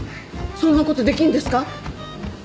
そんなことできるんですか？